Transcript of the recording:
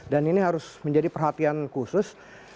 dan ini harus menjadi perhatian khusus